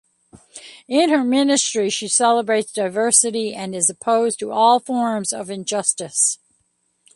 In her ministry she celebrates diversity and is opposed to all forms of injustice.